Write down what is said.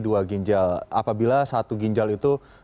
dua ginjal apabila satu ginjal itu